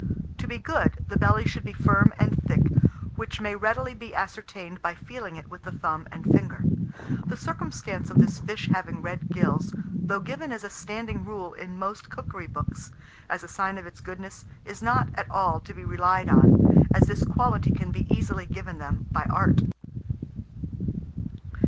To be good, the belly should be firm and thick, which may readily be ascertained by feeling it with the thumb and finger. The circumstance of this fish having red gills, though given as a standing rule in most cookery books, as a sign of its goodness, is not at all to be relied on, as this quality can be easily given them by art.